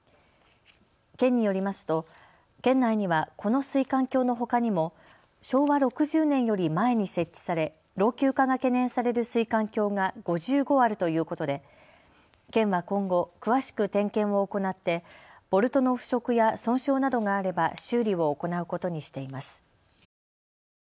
県によりますと県内にはこの水管橋のほかにも昭和６０年より前に設置され、老朽化が懸念される水管橋が５５あるということで県は今後、詳しく点検を行ってボルトの腐食や損傷などがあれば修理を行うことにしています。